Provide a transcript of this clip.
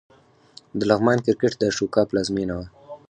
د لغمان کرکټ د اشوکا پلازمېنه وه